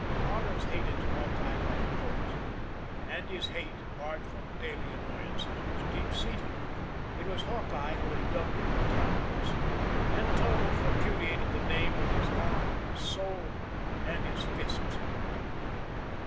Toddles hated Hawkeye like poison; and his hate, apart from daily annoyances, was deep seated. It was Hawkeye who had dubbed him "Toddles." And Toddles repudiated the name with his heart, his soul and his fists.